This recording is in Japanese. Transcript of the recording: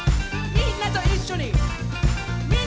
みんなと一緒に！